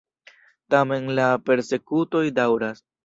Tamen la persekutoj daŭras.